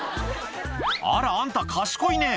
あらあんた賢いね